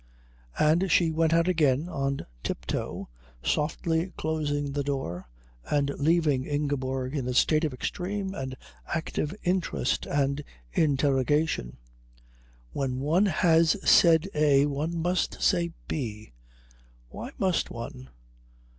And she went out again on tip toe, softly closing the door and leaving Ingeborg in a state of extreme and active interest and interrogation. "When one has said A one must say B...." Why must one?